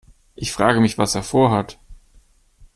Ich frage mich, was er vorhat.